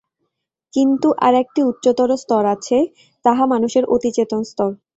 কিন্তু আর একটি উচ্চতর স্তর আছে, তাহা মানুষের অতি-চেতন স্তর।